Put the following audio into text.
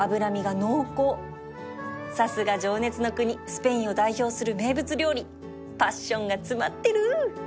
スペインを代表する名物料理パッションが詰まってる！